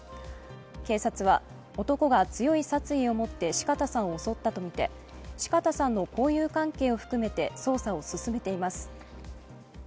警察は男が強い殺意を持って四方さんを襲ったとみて四方さんの交友関係を含めて捜査を進めています。